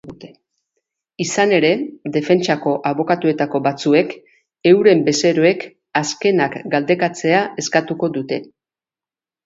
Izan ere, defentsako abokatuetako batzuek euren bezeroek azkenak galdekatzea eskatuko dute.